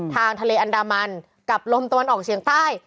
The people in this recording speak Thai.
ทางทะเลอันดามันกับลมตะวันออกเฉียงใต้